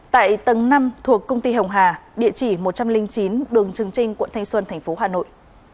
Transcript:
tại tầng năm thuộc công ty hồng hà địa chỉ một trăm linh chín đường trường trinh quận thanh xuân thành phố hà nội